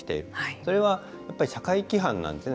それはやっぱり社会規範なんですね。